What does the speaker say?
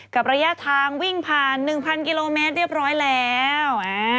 ระยะทางวิ่งผ่าน๑๐๐กิโลเมตรเรียบร้อยแล้ว